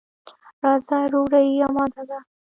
راځه، ډوډۍ اماده ده.